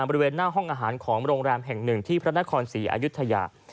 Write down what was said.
บริเวณหน้าห้องอาหารของโรงแรมแห่งหนึ่งที่พระนครศรีอายุทยา